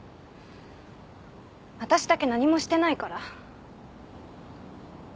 私だけ何もしてないから。